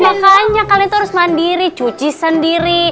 makanya kalian itu harus mandiri cuci sendiri